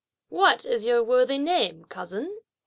"What is your worthy name, cousin?"